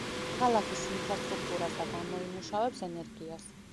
ქალაქის ინფრასტრუქტურას და გამოიმუშავებს ენერგიას.